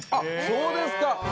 そうですか。